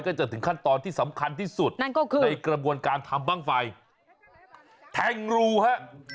จะถึงขั้นตอนที่สำคัญที่สุดนั่นก็คือในกระบวนการทำบ้างไฟแทงรูฮะ